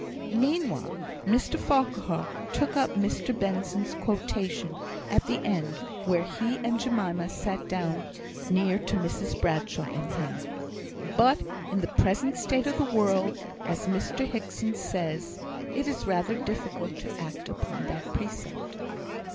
Meanwhile, Mr Farquhar took up Mr Benson's quotation, at the end where he and Jemima sat near to Mrs Bradshaw and him. "But in the present state of the world, as Mr Hickson says, it is rather difficult to act upon that precept."